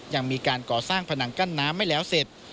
ยังมีการก่อสร้างผนังกั้นน้ำไม่แล้วเสร็จ